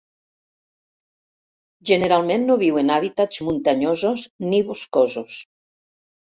Generalment no viu en hàbitats muntanyosos ni boscosos.